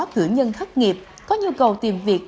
cử nhân thất nghiệp có nhu cầu tìm việc